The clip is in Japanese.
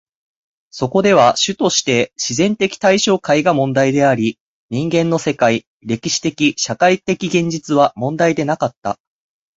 そこでは主として自然的対象界が問題であり、人間の世界、歴史的・社会的現実は問題でなかった。